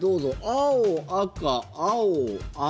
青、赤、青、青。